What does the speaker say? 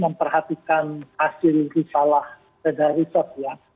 memperhatikan hasil risalah teda riset ya